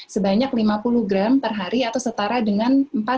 sebanyak lima puluh gram per hari atau setara dengan empat sendok makan gula per hari